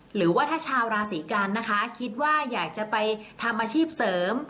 หรือว่าถ้าชาวราศีกันนะคะคิดว่าอยากจะไปทำอาชีพเสริม